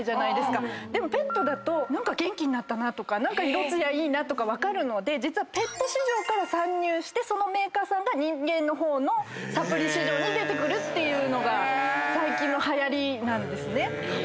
ペットだと元気になったな色艶いいなとか分かるので実はペット市場から参入してそのメーカーさんが人間の方のサプリ市場に出てくるっていうのが最近のはやりなんですね。